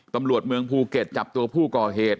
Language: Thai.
ตำรวจเมืองภูเก็ตจับตัวผู้ก่อเหตุ